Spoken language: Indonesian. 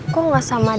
kok gak sama dede